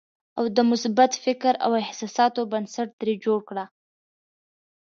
او د مثبت فکر او احساساتو بنسټ ترې جوړ کړئ.